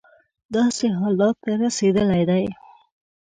داسې حالت ته رسېدلی دی.